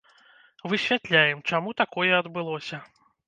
Высвятляем, чаму такое адбылося.